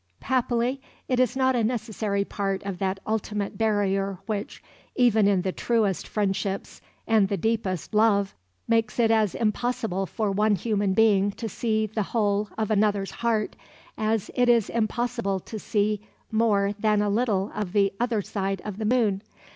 Happily it is not a necessary part of that ultimate barrier which, even in the truest friendships and the deepest love, makes it as impossible for one human being to see the whole of another's heart as it is impossible to see more than a little of the "other side" of the moon.